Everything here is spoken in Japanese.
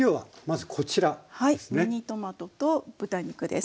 ミニトマトと豚肉です。